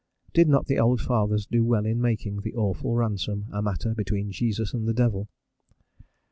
Did not the old Fathers do well in making the awful ransom a matter between Jesus and the devil?